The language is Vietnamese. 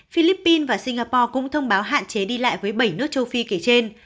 philippines và singapore cũng thông báo hạn chế đi lại với bảy nước châu phi kể trên